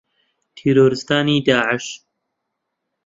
تیرۆریستانی داعش